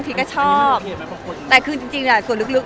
อันนี้คนยื้อ๒๐๓๐ปีรอประทีนึง